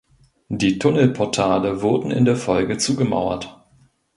Die Tunnelportale wurden in der Folge zugemauert.